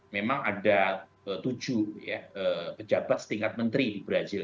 memang ada tujuh pejabat setingkat menteri di brazil